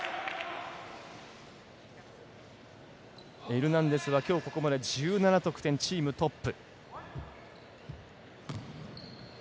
エルナンデスはここまで１７得点チームトップ。